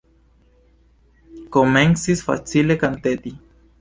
Komencis facile kanteti.